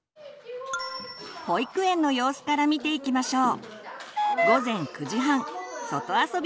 保育園の様子から見ていきましょう。